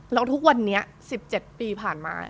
แล้วทุกวันนี้๑๗ปีผ่านมา